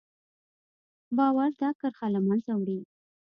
باور دا کرښه له منځه وړي.